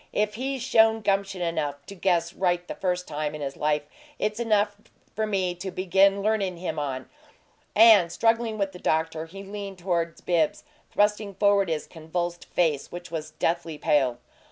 "If he's shown gumption enough to guess right the first time in his life, it's enough for me to begin learnin' him on!" And, struggling with the doctor, he leaned toward Bibbs, thrusting forward his convulsed face, which was deathly pale.